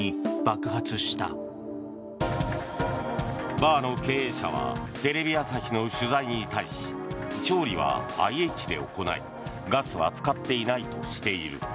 バーの経営者はテレビ朝日の取材に対し調理はＩＨで行いガスは使っていないとしている。